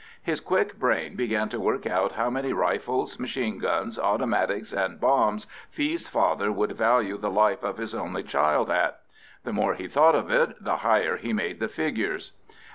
His quick brain began to work out how many rifles, machine guns, automatics, and bombs Fee's father would value the life of his only child at; the more he thought of it, the higher he made the figures.